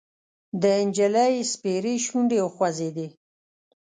د نجلۍ سپېرې شونډې وخوځېدې: